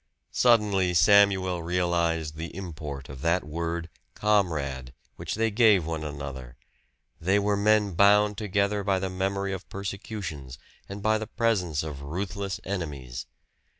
Suddenly Samuel realized the import of that word "comrade" which they gave one another; they were men bound together by the memory of persecutions, and by the presence of ruthless enemies.